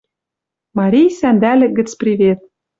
Марий сӓндӓлӹк гӹц привет.